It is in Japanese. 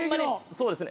そうですね。